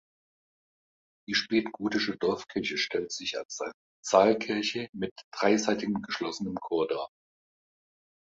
Die spätgotische Dorfkirche stellt sich als Saalkirche mit dreiseitig geschlossenem Chor dar.